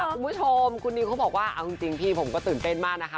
คุณผู้ชมคุณนิวเขาบอกว่าเอาจริงพี่ผมก็ตื่นเต้นมากนะคะ